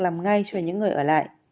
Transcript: làm ngay cho những người ở lại